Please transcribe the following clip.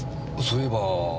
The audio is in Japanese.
そういえば。